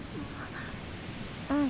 うん。